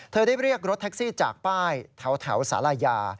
ได้เรียกรถแท็กซี่จากป้ายแถวสาลายา